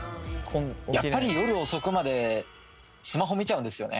やっぱり夜遅くまでスマホ見ちゃうんですよね。